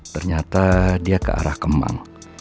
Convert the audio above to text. ternyata dia ke arah kemang